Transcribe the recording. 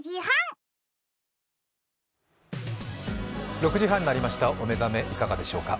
６時半になりました、お目覚めいかがでしょうか。